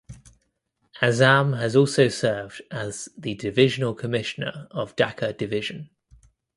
Azam has also served as the divisional commissioner of Dhaka Division.